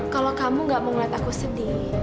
kalau kamu gak mau ngeliat aku sedih